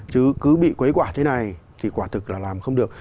chứ cứ bị quấy quả thế này thì quả thực là làm không được